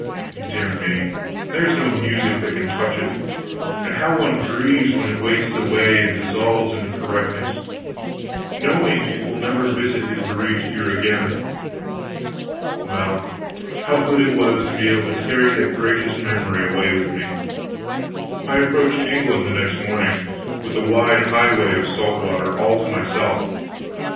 dear me, there's no music that can touch it; and how one grieves when it wastes away and dissolves into correctness, knowing it will never visit his bereaved ear again. Well, how good it was to be able to carry that gracious memory away with me! I approached England the next morning, with the wide highway of salt water all to myself.